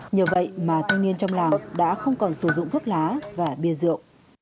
nhờ vậy mà thanh niên trong lào đã không còn sử dụng thuốc lá và bia rượu